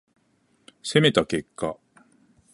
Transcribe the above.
攻めた結果